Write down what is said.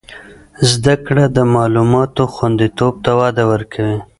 زده کړه د معلوماتو خوندیتوب ته وده ورکوي.